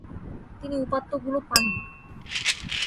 তিনি উপাত্তগুলো পান নি।